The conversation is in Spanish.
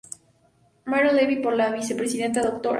Mayra Levy, por la vicepresidenta Dra.